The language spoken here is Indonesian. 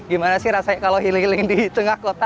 gimana sih rasanya kalau healing healing di tengah kota